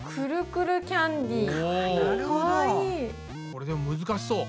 これでも難しそう。